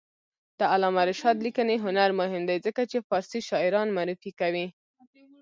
د علامه رشاد لیکنی هنر مهم دی ځکه چې فارسي شاعران معرفي کوي.